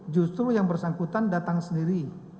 justru yang bersangkutan datang sendiri